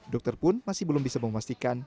dokter pun masih belum bisa memastikan